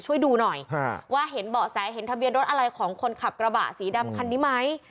ช่วยดูหน่อยว่าเห็นเบาะแสเห็นทะเบียนรถอะไรของคนขับกระบะสีดำคันนี้ไหม